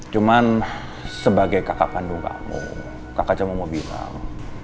cuman sebagai kakak kandung kamu kakak kamu mau bilang